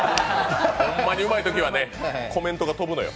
ほんまにうまいときはね、コメントが飛ぶのよ。